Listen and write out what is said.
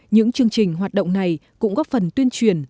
những chương trình hoạt động này cũng góp phần tuyên truyền